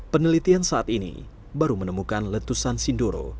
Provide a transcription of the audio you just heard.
penelitian saat ini baru menemukan letusan sindoro